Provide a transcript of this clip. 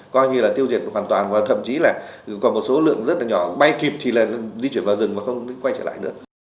có thể là tiêu diệt hoàn toàn thậm chí là có một số lượng rất nhỏ bay kịp thì di chuyển vào rừng và không quay trở lại nữa